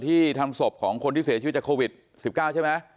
ทำศพของคนที่เสียชีวิตจากโควิด๑๙ใช่ไหม